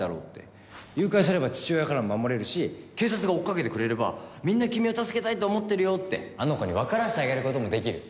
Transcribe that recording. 誘拐すれば父親からも守れるし警察が追っかけてくれればみんな君を助けたいと思ってるよってあの子にわからせてあげる事もできる。